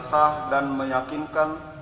sah dan meyakinkan